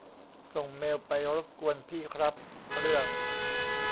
ส่งเมลไปรบกวนพี่ครับ เรื่อง